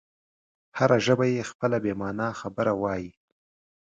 هره ژبه یې خپله بې مانا خبره وایي.